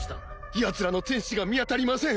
ヤツらの天使が見当たりません